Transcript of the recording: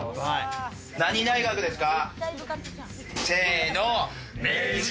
何大学ですか？